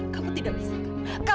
kamu tidak bisa kan